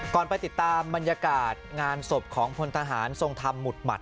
ไปติดตามบรรยากาศงานศพของพลทหารทรงธรรมหมุดหมัด